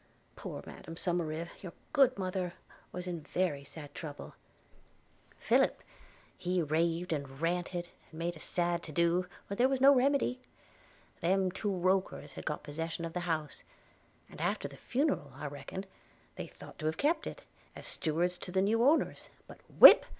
– Poor Madam Somerive, your good mother, was in very sad trouble – Philip, he raved and ranted, and made a sad to do, but there was no remedy; them two Rokers had got possession of the house, and after the funeral, I reckon, they thought to have kept it, as stewards to the new owners; but whip!